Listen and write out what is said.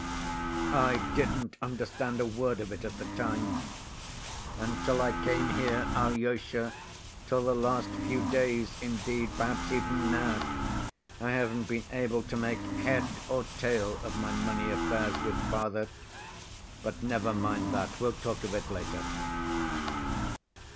I didn't understand a word of it at the time. Until I came here, Alyosha, till the last few days, indeed, perhaps even now, I haven't been able to make head or tail of my money affairs with father. But never mind that, we'll talk of it later.